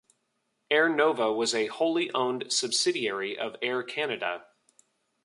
Air Nova was a wholly owned subsidiary of Air Canada.